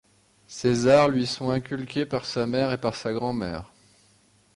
Ces arts lui sont inculqués par sa mère et par sa grand-mère.